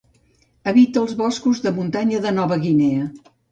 Habita els boscos de muntanya de Nova Guinea.